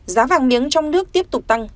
giá vàng miếng trong nước tiếp tục tăng